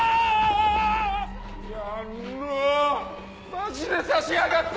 マジで刺しやがった！